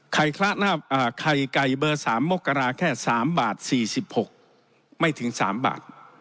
ไข่ไก่เบอร์๓มกราแค่๓บาท๔๖ไม่ถึง๓บาท